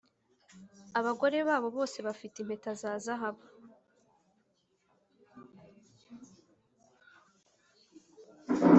'abagore babo bose bafite impeta za zahabu.